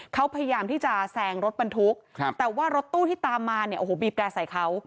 เขาพยายามที่จะแซงรถบรรทุกแต่ว่ารถตู้ที่ตามมาเนี่ยโอ้โหบีบแร่ใส่เขา